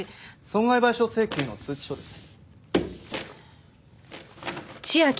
損害賠償請求の通知書です。